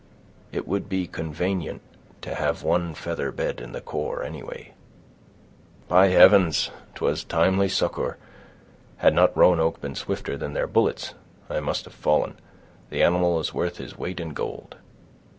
It would be convanient to have one feather bed in the corps, anyway." "By heavens, 'twas timely succor! Had not Roanoke been swifter than their bullets, I must have fallen. The animal is worth his weight in gold."